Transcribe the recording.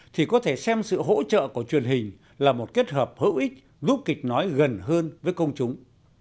thì có thể xem sự hỗ trợ của truyền hình là một kết hợp hữu ích giúp kịch nói gần hơn với công chúng